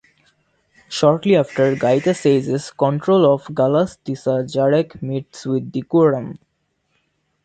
Shortly after Gaeta seizes control of Galactica, Zarek meets with the Quorum.